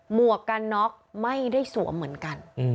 หวกกันน็อกไม่ได้สวมเหมือนกัน